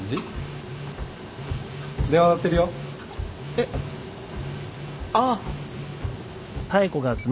えっ？ああ。